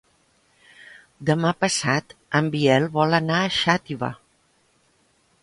Demà passat en Biel vol anar a Xàtiva.